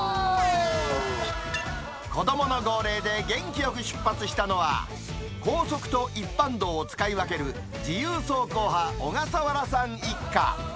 子どもの号令で元気よく出発したのは、高速と一般道を使い分ける自由走行派、小笠原さん一家。